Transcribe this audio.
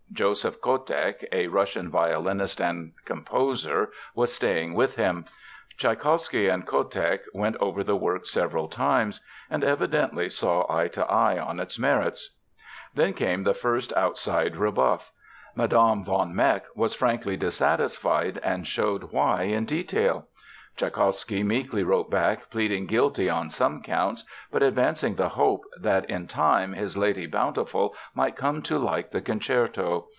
Joseph Kotek, a Russian violinist and composer, was staying with him. Tschaikowsky and Kotek went over the work several times, and evidently saw eye to eye on its merits. Then came the first outside rebuff. Mme. von Meck was frankly dissatisfied and showed why in detail. Tschaikowsky meekly wrote back pleading guilty on some counts but advancing the hope that in time his Lady Bountiful might come to like the concerto.